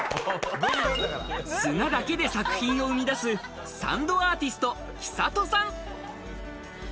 砂だけで作品を生み出すサンドアーティスト・キサトさん。